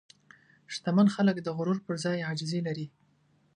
شتمن خلک د غرور پر ځای عاجزي لري.